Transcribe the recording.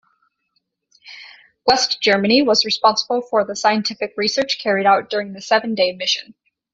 West Germany was responsible for the scientific research carried out during the seven-day mission.